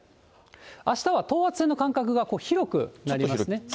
あしたは等圧線の間隔が広くなりますね。